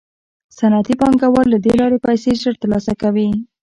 صنعتي پانګوال له دې لارې پیسې ژر ترلاسه کوي